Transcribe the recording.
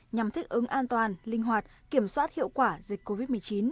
nhằm thích ứng an toàn linh hoạt kiểm soát hiệu quả dịch covid một mươi chín